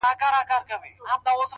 وخت د بې پروایۍ قیمت اخلي’